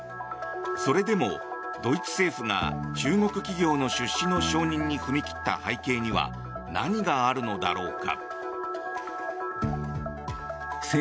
それでもドイツ政府が中国企業の出資の承認に踏み切った背景には何があるのだろうか。